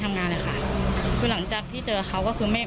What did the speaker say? งานเลยค่ะคือหลังจากที่เจอเขาก็คือไม่